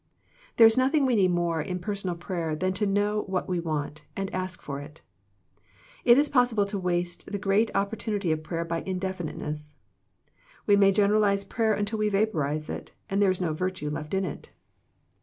There is nothing we need more in personal prayer than to know what we want, and ask for it. It is possible to waste the great opportunity of prayer by indefiniteness. We may generalize prayer until we vapourize it, and there is no virtue left in it.